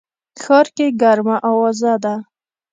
ښار کي ګرمه اوازه ده